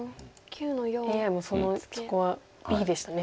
ＡＩもそこはＢでしたね。